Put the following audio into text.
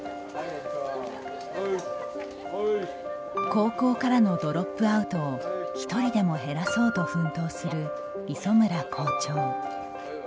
高校からのドロップアウトを１人でも減らそうと奮闘する磯村校長。